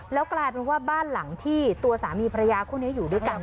แล้วกลายเป็นว่าบ้านหลังที่ตัวสามีภรรยาคู่นี้อยู่ด้วยกัน